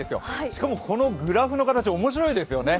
しかもこのグラフの形面白いですよね。